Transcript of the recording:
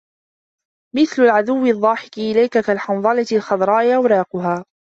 مَثَلُ الْعَدُوِّ الضَّاحِكِ إلَيْك كَالْحَنْظَلَةِ الْخَضْرَاءِ أَوْرَاقُهَا